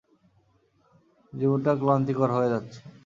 জীবনটা ক্লান্তিকর হয়ে যাচ্ছে।